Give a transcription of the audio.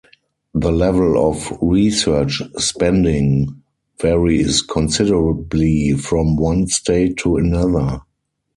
The level of research spending varies considerably from one state to another.